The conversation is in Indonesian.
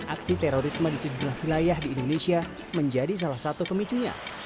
aksi terorisme di sejumlah wilayah di indonesia menjadi salah satu pemicunya